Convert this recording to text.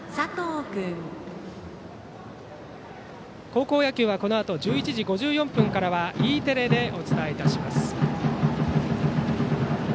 高校野球はこのあと１１時５４分からはＥテレでお伝えいたします。